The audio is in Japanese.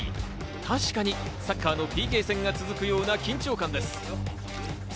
確かにサッカーのＰＫ戦が続くような緊張感です。